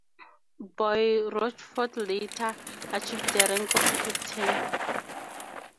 Boyd-Rochfort later achieved the rank of captain.